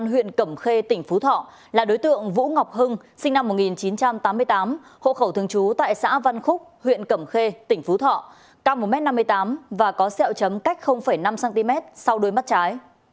hộ khẩu thường trú tại xã văn khúc huyện cẩm khê tỉnh phú thọ cao một m năm mươi tám và có xeo chấm cách năm cm sau đôi mắt trái